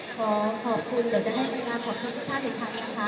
ขอขอบคุณเราจะได้เวลาขอบคุณทุกท่านอีกครั้งนะคะ